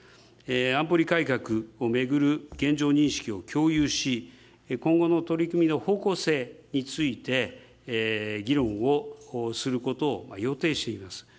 安保理改革を巡る現状認識を共有し、今後の取り組みの方向性について、議論をすることを予定しています。